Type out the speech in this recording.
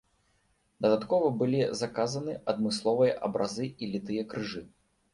Дадаткова былі заказаны адмысловыя абразы і літыя крыжы.